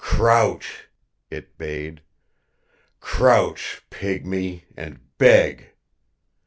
"Crouch," It bade. "Crouch, pygmy, and beg.